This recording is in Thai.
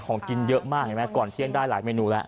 ของกินเยอะมากเห็นไหมก่อนเที่ยงได้หลายเมนูแล้ว